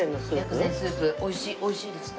薬膳スープおいしいです。